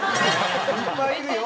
いっぱいいるよ。